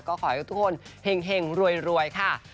ก็ขอให้ทุกคนเห็งรวยค่ะ